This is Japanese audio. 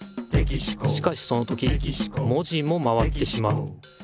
しかしその時文字も回ってしまう。